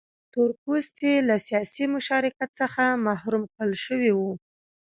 تور پوستي له سیاسي مشارکت څخه محروم کړل شوي وو.